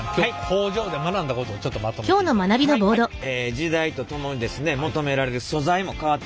時代とともにですね求められる素材も変わってくると。